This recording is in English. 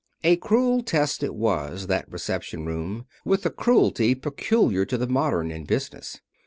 A cruel test it was, that reception room, with the cruelty peculiar to the modern in business.